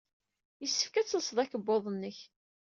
Yessefk ad telseḍ akebbuḍ-nnek.